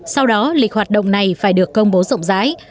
sau đó lịch hoạt động này phải được công bố rộng rãi